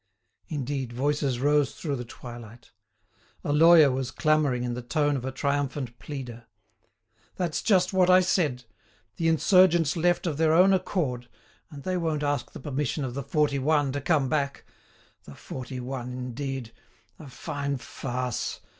Indeed, voices rose through the twilight. A lawyer was clamouring in the tone of a triumphant pleader. "That's just what I said; the insurgents left of their own accord, and they won't ask the permission of the forty one to come back. The forty one indeed! a fine farce!